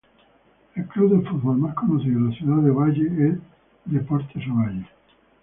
El club de fútbol más conocido de la ciudad de Ovalle es Deportes Ovalle.